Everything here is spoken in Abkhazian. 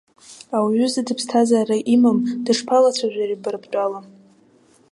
Ауаҩы зыда ԥсҭазаара имам дышԥалацәажәари бара бтәала?